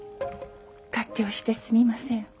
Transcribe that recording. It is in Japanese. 勝手をしてすみません。